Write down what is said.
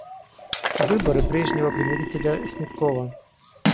Выборы прежнего предводителя Снеткова.